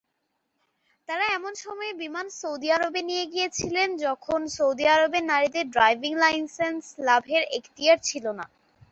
তারা এমন সময়ে বিমান সৌদি আরবে নিয়ে গিয়েছিলেন, যখন সৌদি আরবের নারীদের ড্রাইভিং লাইসেন্স লাভের এখতিয়ার ছিল না।